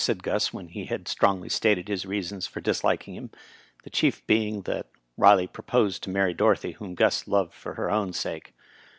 said Gus, when he had strongly stated his reasons for disliking him, the chief being that Kley proposed to marry Dorothy, whom Gus loved for her own sake.